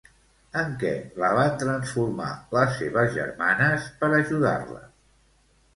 En què la van transformar les seves germanes per ajudar-la?